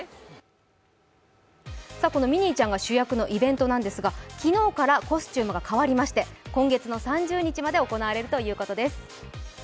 このミニーちゃんが主役のイベントなんですが、昨日からコスチュームが変わりまして今月の３０日まで行われるということです。